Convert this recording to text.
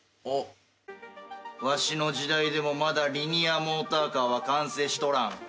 おっわしの時代でもまだリニアモーターカーは完成しとらん。